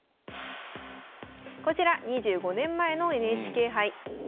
こちら２５年前のＮＨＫ杯。